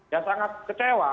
ya sangat kecewa